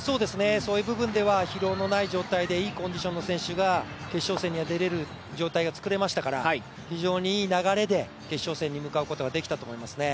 そういう部分では疲労のない状態でいいコンディションの選手が決勝戦には出れる状態が作れましたから、非常にいい流れで決勝戦に進むことができたと思いますね。